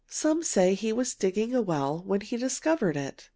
Some say he was digging a well when he discovered it.